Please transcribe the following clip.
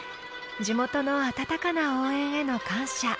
地元の温かな応援への感謝。